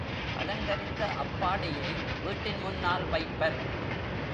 அலங்கரித்த அப்பாடையை வீட்டின் முன்னால் வைப்பர்.